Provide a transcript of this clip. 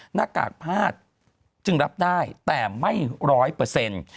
หน้ากากพาดจึงรับได้แต่ไม่ร้อยเปอร์เซ็นต์